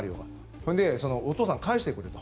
それでお父さんを帰してくれと。